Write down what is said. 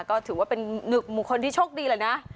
ก็ถือว่าเป็นหนึ่งบุคคลที่โชคดีเลยนะ